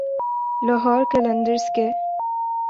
لاہور قلندرز کے